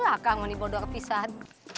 aku mau dibawa ke pisau